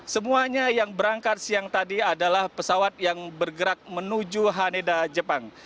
semuanya yang berangkat siang tadi adalah pesawat yang bergerak menuju haneda jepang